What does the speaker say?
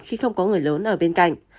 khi không có người lớn ở bên cạnh